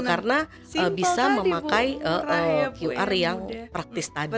karena bisa memakai qr yang praktis tadi